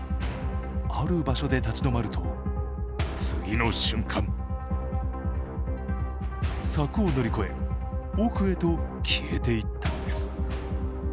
ある場所で立ち止まると、次の瞬間柵を乗り越え、奥へと消えていったのです。